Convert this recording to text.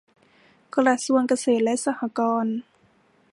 กระทรวงเกษตรและสหกรณ์